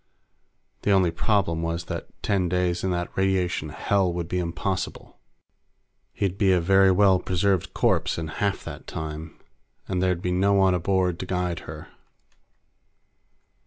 The only trouble was that ten days in that radiation hell would be impossible. He'd be a very well preserved corpse in half that time, and there'd be no one aboard to guide her.